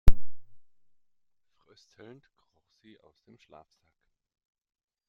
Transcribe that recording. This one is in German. Fröstelnd kroch sie aus dem Schlafsack.